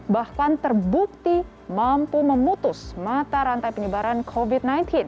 bahkan terbukti mampu memutus mata rantai penyebaran covid sembilan belas